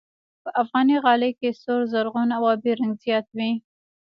په افغاني غالۍ کې سور، زرغون او آبي رنګ زیات وي.